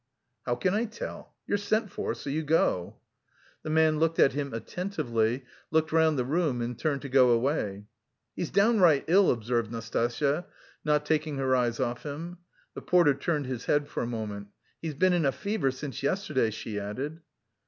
"How can I tell? You're sent for, so you go." The man looked at him attentively, looked round the room and turned to go away. "He's downright ill!" observed Nastasya, not taking her eyes off him. The porter turned his head for a moment. "He's been in a fever since yesterday," she added.